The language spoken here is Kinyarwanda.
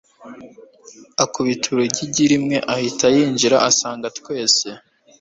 akubita urugigi rimwe ahita yinjira asanga twese